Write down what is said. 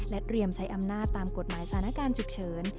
เตรียมใช้อำนาจตามกฎหมายสถานการณ์ฉุกเฉิน